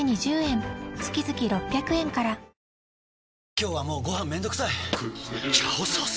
今日はもうご飯めんどくさい「炒ソース」！？